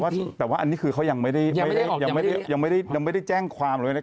แต่ว่าอันนี้คือเขายังไม่ได้แจ้งความเลยนะ